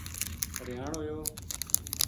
حریان ہویو